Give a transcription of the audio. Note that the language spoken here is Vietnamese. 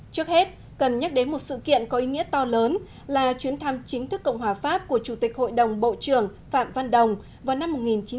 trước hết cần nhắc đến một sự kiện có ý nghĩa to lớn là chuyến thăm chính thức cộng hòa pháp của chủ tịch hội đồng bộ trưởng phạm văn đồng vào năm một nghìn chín trăm bảy mươi